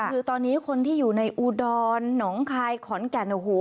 คือตอนนี้คนที่อยู่ในอุดรหนองคายขอนแก่นโอ้โห